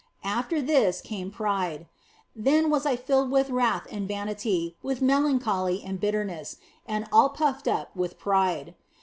After this came pride. Then was I filled with wrath and vanity, with melancholy and bitterness, and all puffed up with pride.